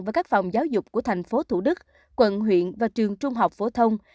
và các phòng giáo dục của thành phố thủ đức quận huyện và trường trung học phổ thông